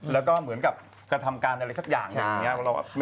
แล้วก็เหมือนกับกระทำการอะไรสักอย่างอย่างนี้